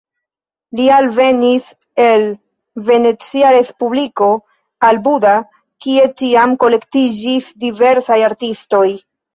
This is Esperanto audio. Li alvenis el Venecia respubliko al Buda, kie tiam kolektiĝis diversaj artistoj.